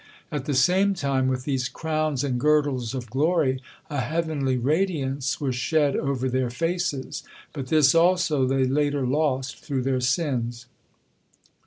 At the same time with these crowns and girdles of glory, a heavenly radiance was shed over their faces, but this also they later lost through their sins.